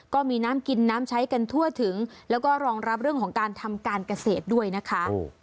ก็มีน้ำกินน้ำใช้กันทั่วถึงแล้วก็รองรับเรื่องของการทำการเกษตรด้วยนะคะ